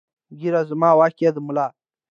ږیره زما واک یې د ملا!